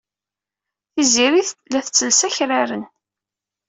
Tiziri la tettelles akraren.